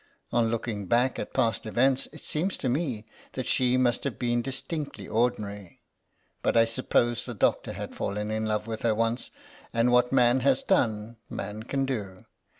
On looking back at past events it seems to me that she must have been distinctly ordinary, but I suppose the doctor had fallen in love with her once, and what man has done man can do.